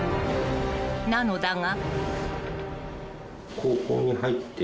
［なのだが］